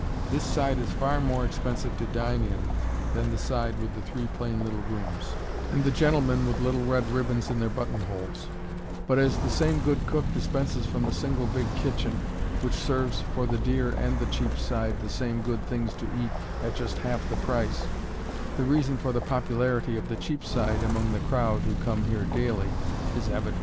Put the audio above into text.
This side is far more expensive to dine in than the side with the three plain little rooms, and the gentlemen with little red ribbons in their buttonholes; but as the same good cook dispenses from the single big kitchen, which serves for the dear and the cheap side the same good things to eat at just half the price, the reason for the popularity of the "cheap side" among the crowd who come here daily is evident.